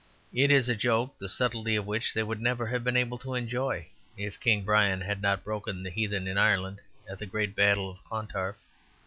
It is a joke the subtlety of which they would never have been able to enjoy, if King Brian had not broken the heathen in Ireland at the great Battle of Clontarf.